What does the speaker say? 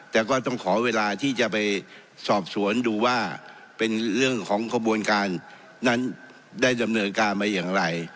แต่ก็ต้องขอเวลาที่จะไปสอบสวนดูว่าเป็นเรื่องของขบวนการนั้นได้ดำเนินการมาอย่างไร